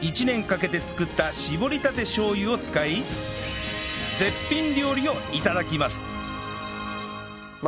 １年かけて作った搾りたてしょう油を使い絶品料理を頂きます